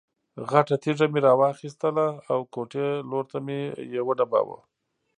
غټه تیږه مې را واخیسته او کوټې لور ته مې یې وډباړه.